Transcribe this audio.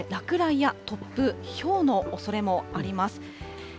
落雷や突風、ひょうのおそれもあります。